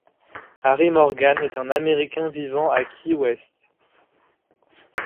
Harry Morgan est un Américain vivant à Key West.